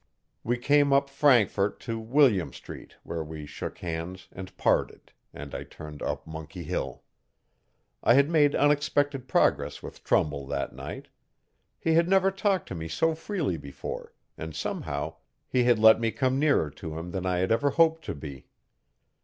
We came up Frankfort to William Street where we shook hands and parted and I turned up Monkey Hill. I had made unexpected progress with Trumbull that night. He had never talked to me so freely before and somehow he had let me come nearer to him than I had ever hoped to be.